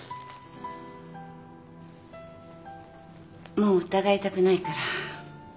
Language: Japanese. もう疑いたくないから。